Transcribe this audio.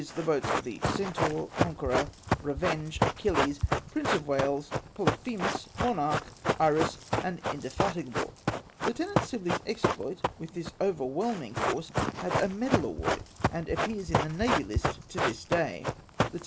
the boats of the Centaur, Con queror, Revenge, Achilles, Prince of Wales, Polyphemus^ Monarch, Iris, and Indefatigable. Lieut. Sibley's exploit with this overwhehning force had a medal awarded. 206 GROSS INSTANCE OF PARTIALITY. and appears in the Navy List to tins day ; Lieut.